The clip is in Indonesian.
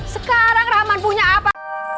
sekarang rahman punya apa